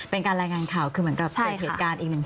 เป็นการรายงานข่าวคือเหมือนกับเกิดเหตุการณ์อีกหนึ่งเหตุ